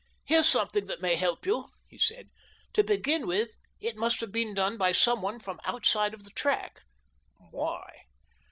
" Here's something that may help you, " he said. "To begin with, it must have been done by some one from the outside of the track." "^Vhy?"